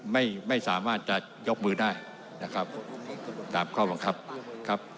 ไม่สามารถจะยกมือได้นะครับตามข้อบังคับครับ